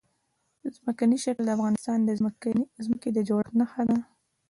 ځمکنی شکل د افغانستان د ځمکې د جوړښت نښه ده.